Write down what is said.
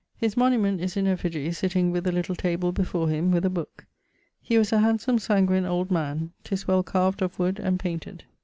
His monument is in effige, sitting with a little table before him, with a booke. He was a handsome sanguine old man. 'Tis well carved (of wood) and painted.